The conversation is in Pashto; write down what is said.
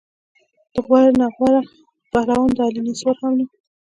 د غورو نه غوره پهلوان د علي نسوار هم نه وو.